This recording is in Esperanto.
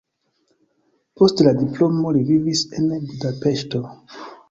Post la diplomo li vivis en Budapeŝto.